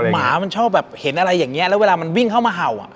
หมามันชอบแบบเห็นอะไรอย่างนี้แล้วเวลามันวิ่งเข้ามาเห่าอ่ะ